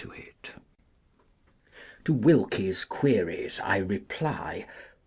To Wilkie's queries I reply : 1.